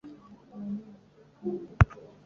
izabira none zari imitavu